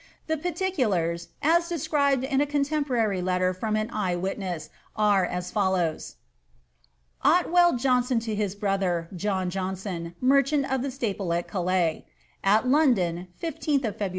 The parfieukrs, m described in a contemporary letter from an eye witoesa, are as fol lows :— OttwelI JoHstov to hit brother, Joair JoHvtoir, merchant of the itapla at Calais, »At London, 15 of Feb.